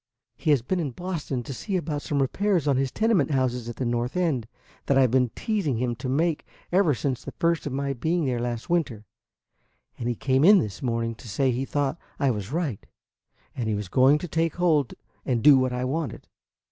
He has been in Boston to see about some repairs on his tenement houses at the North End that I've been teasing him to make ever since the first of my being there last winter; and he came in this morning to say he thought I was right, and he was going to take hold and do what I wanted."